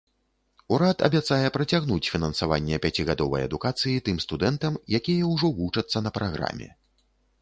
Урад абяцае працягнуць фінансаванне пяцігадовай адукацыі тым студэнтам, якія ўжо вучацца на праграме.